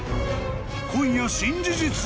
［今夜新事実が］